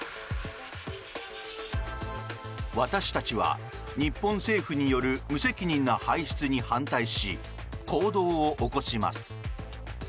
私たちは日本政府による無責任な排出に反対し行動を起こします。